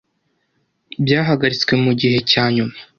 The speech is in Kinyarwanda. byahagaritswe mugihe cyanyuma.